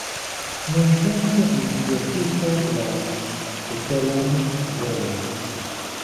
Nuntempe oni profitas la sukeron fuelo.